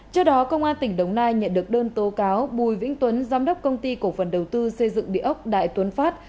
trước đó công an tỉnh đồng nai nhận được đơn tố cáo bùi vĩnh tuấn giám đốc công ty cổ phần đầu tư xây dựng địa ốc đại tuấn phát